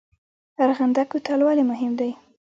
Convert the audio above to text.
ارغنده کوتل ولې مهم دی؟